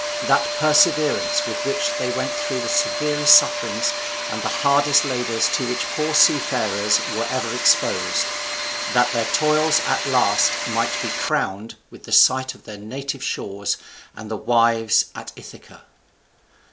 that perseverance with which they went through the severest sufferings and the hardest labours to which poor seafarers were ever exposed, that their toils at last might be crowned with the sight of their native shores and wives at Ithaca!